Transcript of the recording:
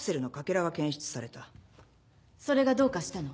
それがどうかしたの？